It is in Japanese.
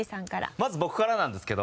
まず僕からなんですけど